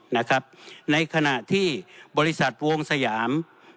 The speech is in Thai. ในขณะที่บริษัทวงสยาม